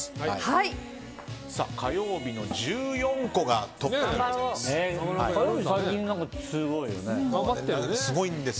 火曜日の１４個がトップです。